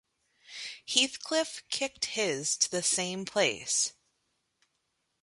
Heathcliff kicked his to the same place.